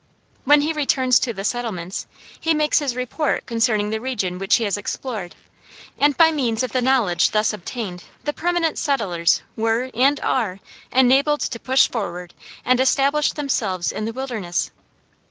When he returns to the settlements he makes his report concerning the region which he has explored, and by means of the knowledge thus obtained the permanent settlers were and are enabled to push forward and establish themselves in the wilderness.